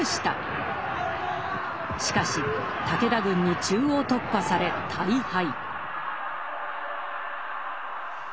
しかし武田軍に中央突破され大敗。